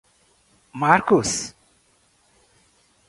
marcos